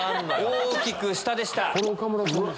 大きく下でした。